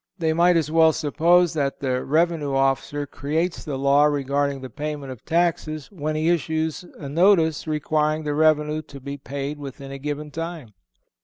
They might as well suppose that the revenue officer creates the law regarding the payment of taxes when he issues a notice requiring the revenue to be paid within a given time.